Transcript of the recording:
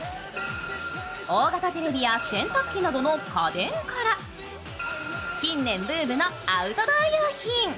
大型テレビや洗濯機などの家電から近年ブームのアウトドア用品。